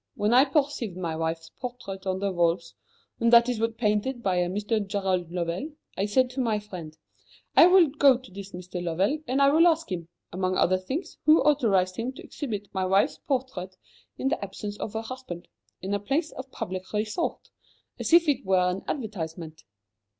When I perceived my wife's portrait on the walls, and that it was painted by a Mr. Gerald Lovell, I said to my friend: 'I will go to this Mr. Lovell, and I will ask him, among other things, who authorized him to exhibit my wife's portrait in the absence of her husband, in a place of public resort, as if it were an advertisement.'